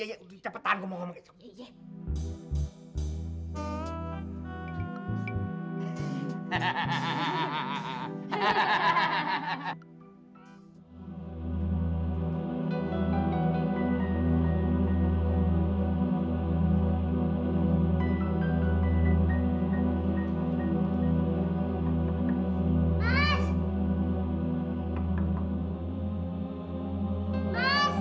eh udah tau udah tau abang mau bilang poncolongok kan